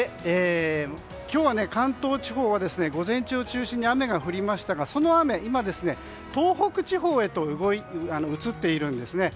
今日は関東地方は午前中を中心に雨が降りましたがその雨、今、東北地方へと移っているんですね。